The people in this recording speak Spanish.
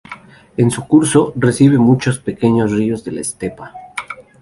En su curso recibe muchos pequeños ríos de la estepa.